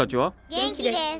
元気です。